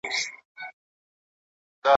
ایا استاد د شاګرد د کار پرمختګ څاري؟